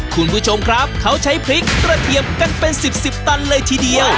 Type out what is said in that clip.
คุณผู้ชมครับเขาใช้พริกกระเทียมกันเป็นสิบสิบตันเลยทีเดียว